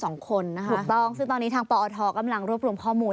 ถูกต้องซึ่งตอนนี้ทางปอทกำลังรวบรวมข้อมูล